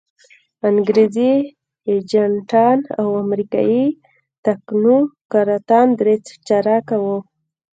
انګریزي ایجنټان او امریکایي تکنوکراتان درې چارکه وو.